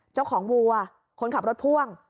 เจ้าของวูอ่ะคนขับรถพ่วง